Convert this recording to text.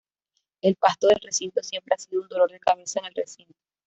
El pasto del recinto siempre ha sido un dolor de cabeza en el recinto.